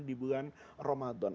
di bulan ramadan